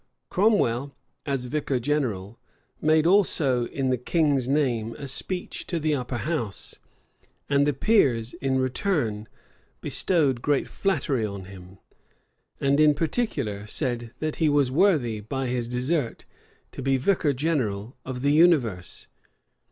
Cromwell, as vicar general, made also in the king's name a speech to the upper house; and the peers, in return, bestowed great flattery on him, and in particular said, that he was worthy, by his desert, to be vicar general of the universe.